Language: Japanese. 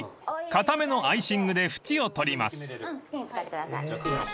硬めのアイシングで縁を取ります］